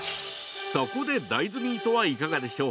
そこで大豆ミートはいかがでしょう。